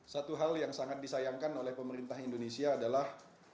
satu hal yang sangat disayangkan oleh pemerintah indonesia adalah